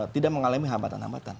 tidak mengalami hambatan hambatan